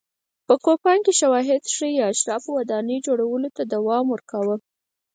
په کوپان کې شواهد ښيي اشرافو ودانۍ جوړولو ته دوام ورکاوه.